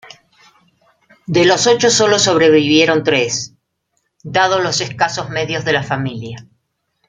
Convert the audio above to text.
De los ocho solo sobrevivieron tres, dados los escasos medios de la familia.